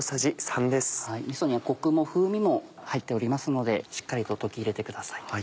みそにはコクも風味も入っておりますのでしっかりと溶き入れてください。